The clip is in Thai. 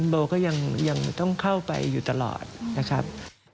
บอกว่าเบาก็ยังต้องเข้าไปตลอดนะครับ